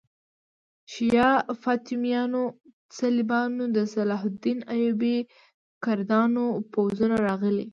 شیعه فاطمیانو، صلیبیانو، د صلاح الدین ایوبي کردانو پوځونه راغلي.